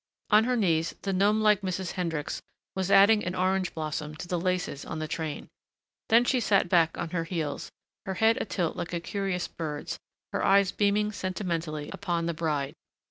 On her knees, the gnome like Mrs. Hendricks was adding an orange blossom to the laces on the train. Then she sat back on her heels, her head a tilt like a curious bird's, her eyes beaming sentimentally upon the bride.